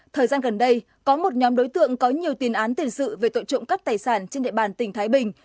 thời gian gần đây có một nhóm đối tượng có nhiều tiền án tiền sự về tội trộm cắp tài sản trên địa bàn tỉnh thái bình